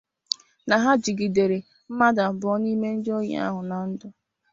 na ha jidere mmadụ abụọ n'ime ndị ohi ahụ na ndụ